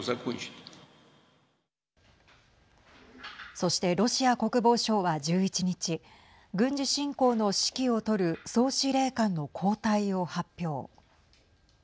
そして、ロシア国防省は１１日軍事侵攻の指揮を執る総司令官の交代を発表。